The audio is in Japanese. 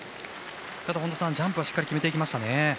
ジャンプはしっかり決めていきました。